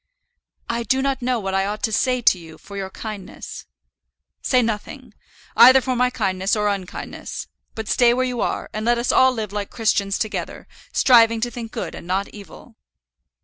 "I do not know what I ought to say to you for your kindness." "Say nothing, either for my kindness or unkindness; but stay where you are, and let us live like Christians together, striving to think good and not evil."